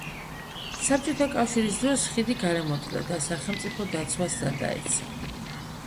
საბჭოთა კავშირის დროს ხიდი გარემონტდა და სახელმწიფო დაცვას გადაეცა.